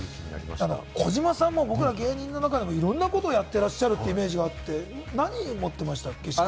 ただ児嶋さんも芸人の中でも、いろんなことをやってらっしゃるイメージがあって、何持ってましたっけ？